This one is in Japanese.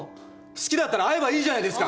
好きだったら会えばいいじゃないですか。